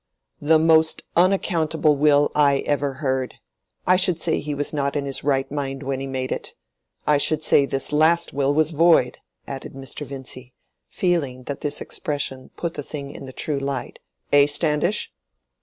"The most unaccountable will I ever heard! I should say he was not in his right mind when he made it. I should say this last will was void," added Mr. Vincy, feeling that this expression put the thing in the true light. "Eh Standish?"